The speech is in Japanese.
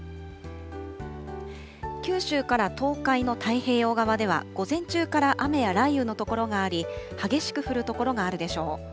九州から東海の太平洋側では、午前中から雨や雷雨の所があり、激しく降る所があるでしょう。